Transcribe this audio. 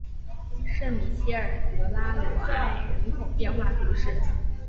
圣米歇尔德拉罗埃人口变化图示